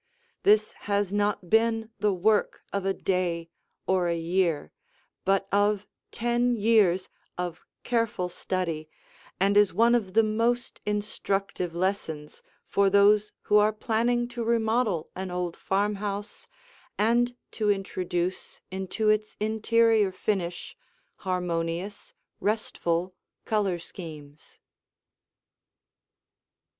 This has not been the work of a day or a year, but of ten years of careful study and is one of the most instructive lessons for those who are planning to remodel an old farmhouse and to introduce into its interior finish harmonious, restful, color schemes.